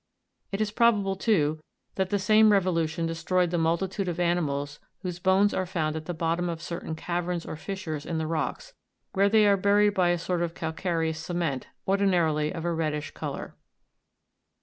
It is probable, too, that the same revolution destroyed the multitude of animals whose bones are found at the bottom of certain caverns or fissures in the rocks, where they are buried in a sort of calcareous cement, ordinarily of a reddish colour.